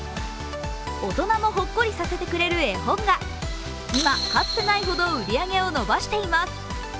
大人もほっこりさせてくれる絵本が今、かつてないほど売り上げを伸ばしています。